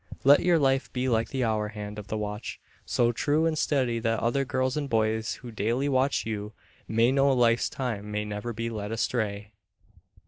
Let your life be like the hour hand of the watch, so true and steady that other girls and boys who daily watch you may know life's time, may never be led astray.